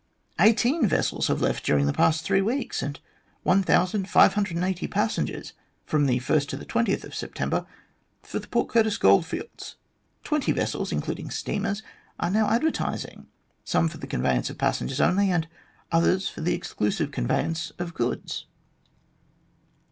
Eighteen vessels have left during the past three weeks, and 1580 passengers, from the 1st to the 20th September, for the Port Curtis goldfields. Twenty vessels, including steamers, are now advertising some for the conveyance of passengers only, and others for the exclusive conveyance of goods."